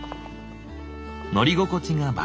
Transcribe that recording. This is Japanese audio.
乗り心地が抜群。